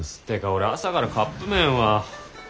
てか俺朝からカップ麺は。